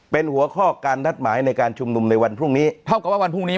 เป็นหัวข้อการนัดหมายในการชุมนุมในวันพรุ่งนี้เท่ากับว่าวันพรุ่งนี้